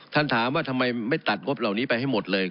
ถามว่าทำไมไม่ตัดงบเหล่านี้ไปให้หมดเลย